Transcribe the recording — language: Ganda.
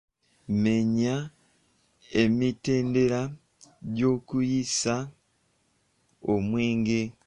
Menya emitendera gy'okuyiisa omwenge?